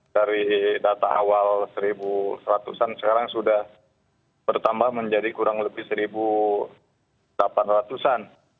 dari data awal seribu ratusan sekarang sudah bertambah menjadi kurang lebih seribu delapan ratusan